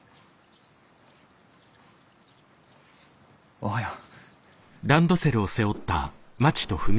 おはよう。